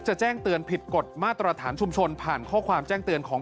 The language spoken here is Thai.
แจ้งเตือนผิดกฎมาตรฐานชุมชนผ่านข้อความแจ้งเตือนของ